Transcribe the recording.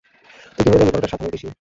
তুই কীভাবে জানবি, পরোটার স্বাদ হবে দেশি?